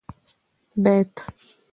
بيت